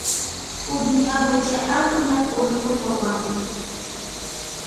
بۇ، دۇنيا بويىچە ئەڭ قىممەت ئورۇندۇق بولغان.